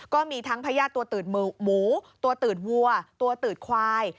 ก็มีทั้งพญาติตัวตื่นหมูตัวตืดวัวตัวตืดควาย